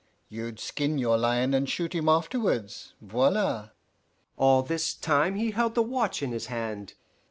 You'd skin your lion and shoot him afterwards voila!" All this time he held the watch in his hand.